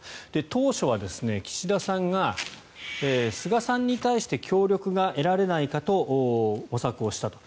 当初は岸田さんが菅さんに対して協力が得られないかと模索をしたと。